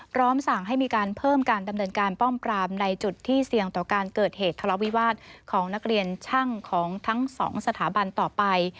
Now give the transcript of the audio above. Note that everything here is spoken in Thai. พร้อมสั่งให้มีการเพิ่มการดำเนินการป้องปรามในจุดที่เสี่ยงต่อการเกิดเหตุทะเลาวิวาสของนักเรียนช่างของทั้งสองสถาบันต่อไป